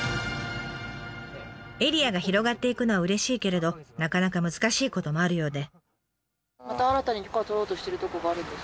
エリアが広がっていくのはうれしいけれどなかなか難しいこともあるようで。